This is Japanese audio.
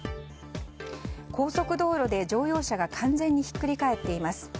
高速道路で乗用車が完全にひっくり返っています。